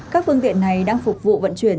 các phương tiện này đang phục vụ vận chuyển